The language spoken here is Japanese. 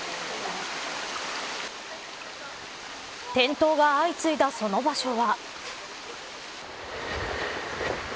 転倒が相次いだその場所は。